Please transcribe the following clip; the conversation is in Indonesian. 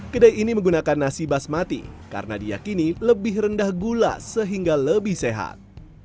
kedai ini menggunakan nasi basmati karena diakini lebih rendah gula sehingga lebih sehat